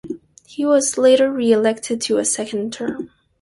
He was later re-elected to a second term.